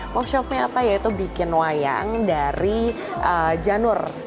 workshopnya apa yaitu bikin wayang dari janur